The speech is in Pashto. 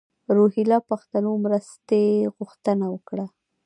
روهیله پښتنو مرستې غوښتنه وکړه.